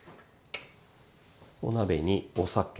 お鍋にお酒。